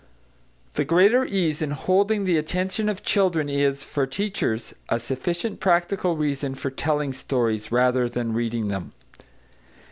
The greater ease in holding the attention of children is, for teachers, a sufficient practical reason for telling stories rather than reading them.